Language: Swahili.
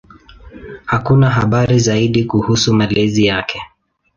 Hakuna habari zaidi kuhusu malezi yake.